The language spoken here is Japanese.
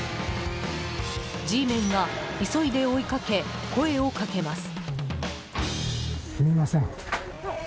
Ｇメンが急いで追いかけ声をかけます。